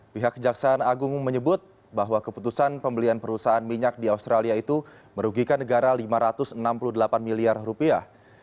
pihak kejaksaan agung menyebut bahwa keputusan pembelian perusahaan minyak di australia itu merugikan negara lima ratus enam puluh delapan miliar rupiah